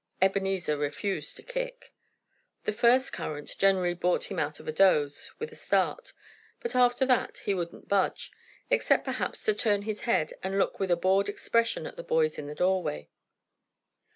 Ebenezer refused to kick. The first currant generally brought him out of a doze, with a start. But after that he wouldn't budge, except perhaps to turn his head and look with a bored expression at the boys in the doorway.